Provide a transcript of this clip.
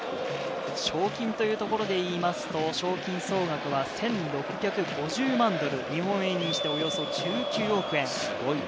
賞金というところで言いますと、賞金総額は１６５０万ドル、日本円にして、およそ１９億円。